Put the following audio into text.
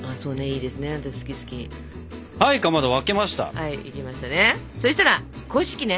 はいいきましたね！